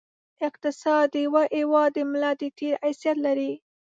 اقتصاد د یوه هېواد د ملا د تېر حیثیت لري.